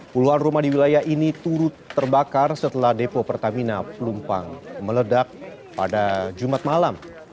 puluhan rumah di wilayah ini turut terbakar setelah depo pertamina pelumpang meledak pada jumat malam